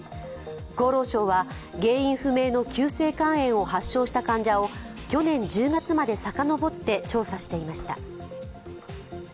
厚労省は、原因不明の急性肝炎を発症した患者を去年１０月までさかのぼって調査していました。